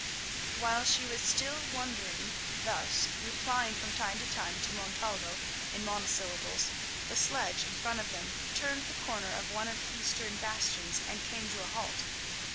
While she was still wondering thus, replying from time to time to Montalvo in monosyllables, the sledge in front of them turned the corner of one of the eastern bastions and came to a halt.